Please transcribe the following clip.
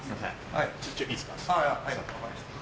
はい。